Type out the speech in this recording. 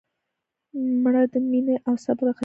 مړه د مینې او صبر خزانه وه